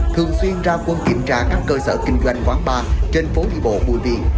thường xuyên ra quân kiểm tra các cơ sở kinh doanh quán bar trên phố đi bộ bùi viện